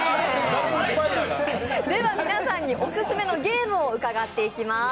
皆さんにオススメのゲームを伺っていきます。